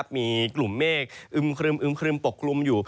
มีกลุ่มเมฆอึมครึมปกกลุ่มอยู่